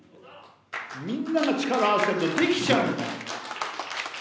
みんなが力を合わせるとできちゃうんだよ。